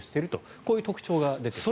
こういう特徴が出ていると。